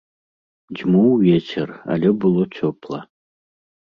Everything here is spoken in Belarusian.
Дзьмуў вецер, але было цёпла.